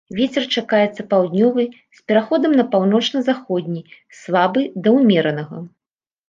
Вецер чакаецца паўднёвы з пераходам на паўночна-заходні слабы да ўмеранага.